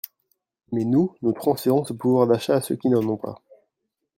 Mais nous, nous transférons ce pouvoir d’achat à ceux qui n’en ont pas.